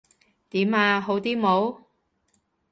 點呀？好啲冇？